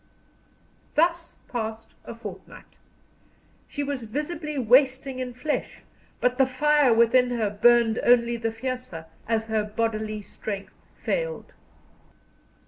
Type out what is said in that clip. Thus passed a fortnight. She was visibly wasting in flesh, but the fire within her burned only the fiercer as her bodily strength failed.